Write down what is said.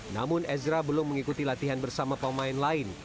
namun ezra belum mengikuti latihan bersama pemain lain